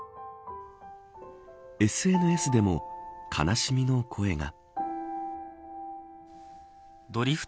ＳＮＳでも悲しみの声が。